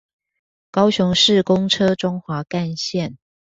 高雄市公車中華幹線